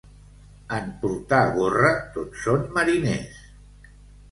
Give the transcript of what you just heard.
En portar gorra tots són mariners.